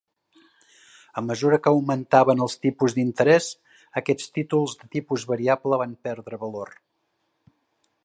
A mesura que augmentaven els tipus d'interès, aquests títols de tipus variable van perdre valor.